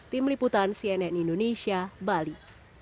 tim liputan cnn indonesia bali